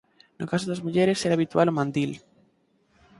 No caso das mulleres era habitual o mandil.